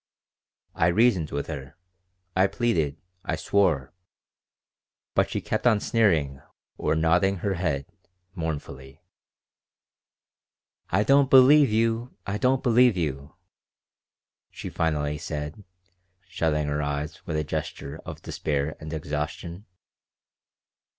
I reasoned with her, I pleaded, I swore; but she kept sneering or nodding her head mournfully "I don't believe you. I don't believe you," she finally said, shutting her eyes with a gesture of despair and exhaustion.